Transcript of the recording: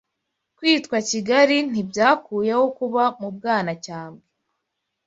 Kwitwa Kigali, ntibyakuyeho kuba mu Bwanacyambwe,